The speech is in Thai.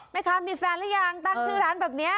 ไหมคะมีแฟนหรือยังตั้งชื่อร้านแบบนี้